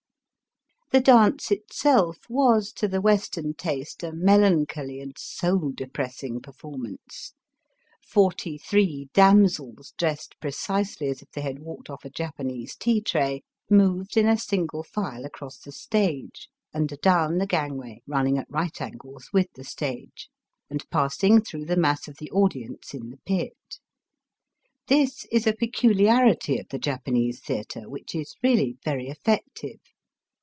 The dance itself was to the Western taste a melancholy and soul depressing perform ance. Forty three damsels, dressed precisely as if they had walked off a Japanese tea tray, moved in a single file across the stage and adown the gangway running at right angles with the stage, and passing through the mass of the audience in the pit. This is a peculi arity of the Japanese theatre which is reaUy very eflfective.